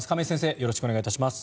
よろしくお願いします。